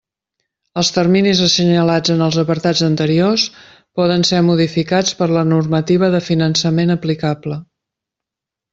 Els terminis assenyalats en els apartats anteriors poden ser modificats per la normativa de finançament aplicable.